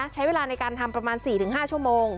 ใช้เวลาในการทำประมาณ๔๕ชั่วโมง